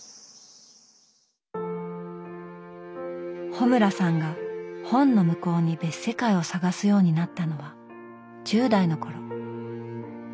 穂村さんが本の向こうに別世界を探すようになったのは１０代の頃。